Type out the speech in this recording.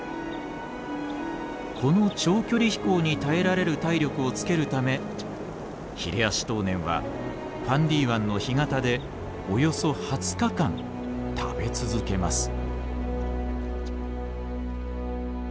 この長距離飛行に耐えられる体力をつけるためヒレアシトウネンはファンディ湾の干潟でおよそ２０日間食べ続けます。